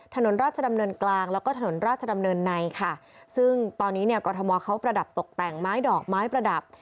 ถนนราชดำเนินกลางแล้วก็ถนนราชดำเนินในค่ะซึ่งตอนนี้เนี่ยกรทมเขาประดับตกแต่งไม้ดอกไม้ประดับ